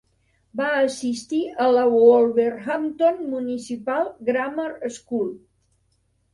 Va assistir a la Wolverhampton Municipal Grammar School.